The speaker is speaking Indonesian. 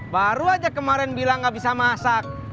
baru aja kemarin bilang nggak bisa masak